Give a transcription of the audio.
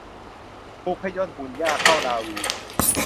ผูกพยนต์หุ่นหญ้าเข้าราวี